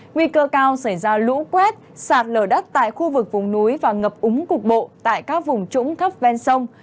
nguy cơ cao xảy ra lũ quét sạt lở đất tại khu vực vùng núi và ngập úng cục bộ tại các vùng trũng thấp ven sông